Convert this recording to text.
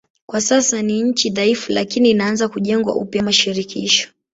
Kwa sasa ni nchi dhaifu lakini inaanza kujengwa upya kama shirikisho.